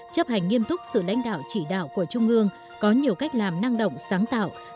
chấp hành nghiêm túc sự lãnh đạo chỉ đạo của trung ương có nhiều cách làm năng động sáng tạo